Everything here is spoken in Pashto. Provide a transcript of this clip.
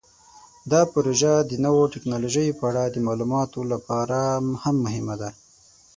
دا پروژه د نوو تکنالوژیو په اړه د معلوماتو لپاره هم مهمه ده.